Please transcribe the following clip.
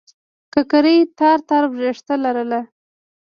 ککرۍ تار تار وېښته لرله.